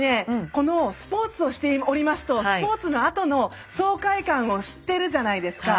このスポーツをしておりますとスポーツのあとの爽快感を知ってるじゃないですか。